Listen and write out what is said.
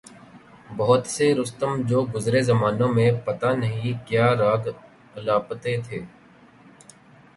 بہت سے رستم جو گزرے زمانوں میں پتہ نہیں کیا راگ الاپتے تھے۔